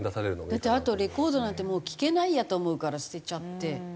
だってあとレコードなんてもう聴けないやと思うから捨てちゃって。